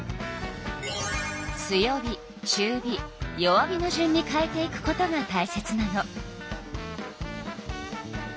強火中火弱火の順に変えていくことがたいせつなの。